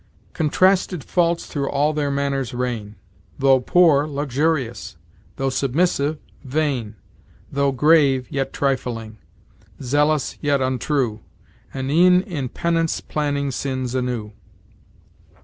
"Contrasted faults through all their manners reign; Though poor, luxurious; though submissive, vain; Though grave, yet trifling; zealous, yet untrue; And e'en in penance planning sins anew."